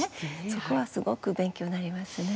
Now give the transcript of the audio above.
そこはすごく勉強になりますね。